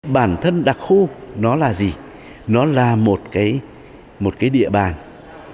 bản thân đặc khu nó là gì nó là một cái địa bàn mà trên đó chúng ta có thể kêu gọi các đặc khu